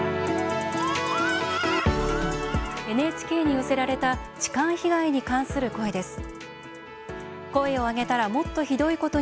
ＮＨＫに寄せられた痴漢被害に関する声です。